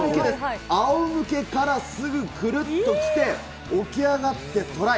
あおむけからすぐぐるっと来て、起き上がって、トライ。